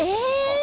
え！